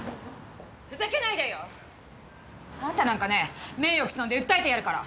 ふざけないでよ！あんたなんかね名誉毀損で訴えてやるから！